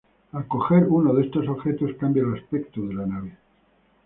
Al coger uno de estos objetos, cambia el aspecto de la nave.